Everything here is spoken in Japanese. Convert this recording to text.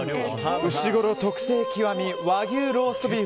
うしごろ特製“極”和牛ローストビーフ。